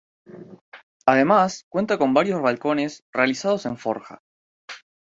Además, cuenta con varios balcones realizados en forja.